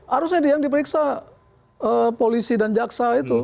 harusnya dia yang diperiksa polisi dan jaksa itu